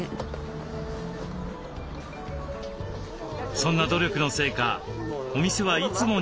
そんな努力のせいかお店はいつもにぎわいます。